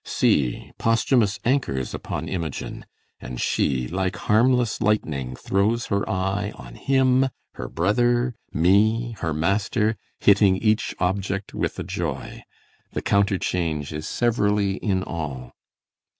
See, Posthumus anchors upon Imogen; And she, like harmless lightning, throws her eye On him, her brothers, me, her master, hitting Each object with a joy; the counterchange Is severally in all.